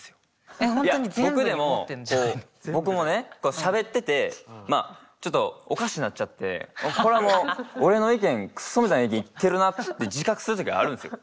いや僕でも僕もねしゃべっててちょっとおかしなっちゃってこれはもう俺の意見クソみたいな意見言ってるなって自覚する時があるんですよ。